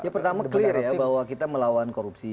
ya pertama clear ya bahwa kita melawan korupsi